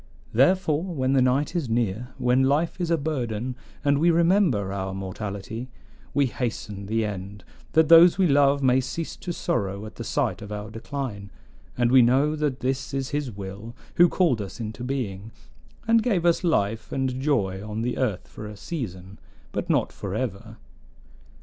Therefore, when the night is near, when life is a burden and we remember our mortality, we hasten the end, that those we love may cease to sorrow at the sight of our decline; and we know that this is his will who called us into being, and gave us life and joy on the earth for a season, but not forever.